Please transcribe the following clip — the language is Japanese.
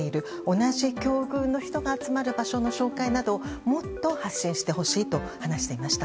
同じ境遇の人が集まる場所の紹介などもっと発信してほしいと話していました。